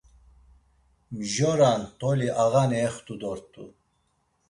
Mjora ntoli ağani ext̆u dort̆u.